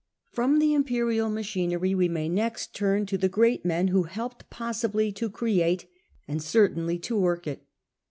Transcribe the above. From the imperial machinery we may next turn to the great men who helped possibly to create and cer tainly to work it.